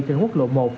trên quốc lộ một